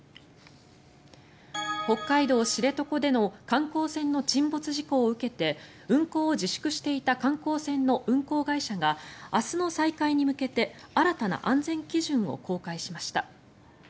北海道・知床での観光船の沈没事故を受けて運航を自粛していた観光船の運航会社が明日の再開に向けて新たな安全基準を公開しました。